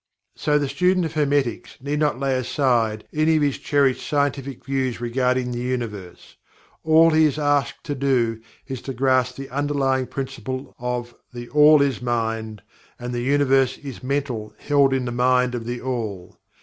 So, the student of Hermetics need not lay aside any of his cherished scientific views regarding the Universe. All he is asked to do is to grasp the underlying principle of "THE ALL is Mind; the Universe is Mental held in the mind of THE ALL."